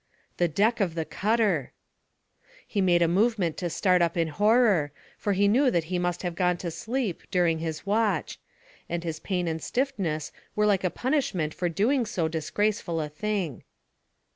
The deck of the cutter! He made a movement to start up in horror, for he knew that he must have gone to steep during his watch, and his pain and stiffness were like a punishment for doing so disgraceful a thing.